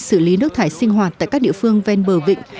xử lý nước thải sinh hoạt tại các địa phương ven bờ vịnh